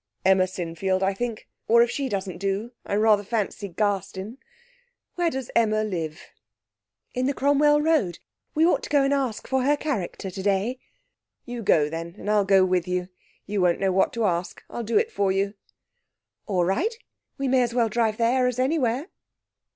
'Emma Sinfield, I think, or if she doesn't do, I rather fancy Garstin. Where does Emma live?' 'In the Cromwell Road. We ought to go and ask for her character today.' 'You go, then, and I'll go with you. You won't know what to ask. I'll do it for you.' 'All right. We may as well drive there as anywhere.'